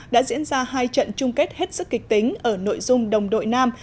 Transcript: đã diễn ra hai trận chung kết hết sức kịch tính ở nội dung đồng đội nam